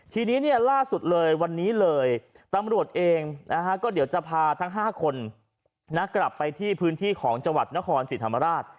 ทีนี้ล่าสุดเลยวันนี้เลยตำรวจเองก็เดี๋ยวจะพาทั้ง๕คนกลับไปที่พื้นที่ของจังหวัดนครศรีธรรมราช